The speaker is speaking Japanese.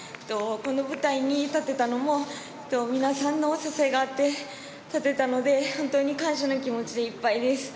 この舞台に立てたのも皆さんの支えがあって立てたので、本当に感謝の気持ちでいっぱいです。